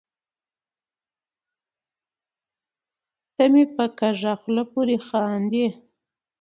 ته مې په کږه خوله پورې خاندې .